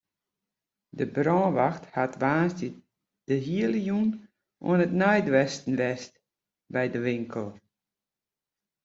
De brânwacht hat woansdei de hiele jûn oan it neidwêsten west by de winkel.